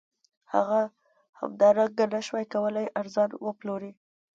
هغه همدارنګه نشوای کولی ارزان وپلوري